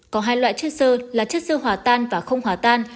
có hai loại chất sơ là chất sơ hỏa tan và không hòa tan